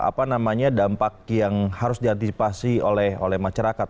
apa namanya dampak yang harus diantisipasi oleh masyarakat